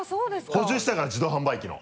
補充してたから自動販売機の。